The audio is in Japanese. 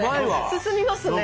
進みますね。